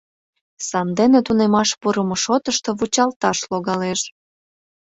Сандене тунемаш пурымо шотышто вучалташ логалеш.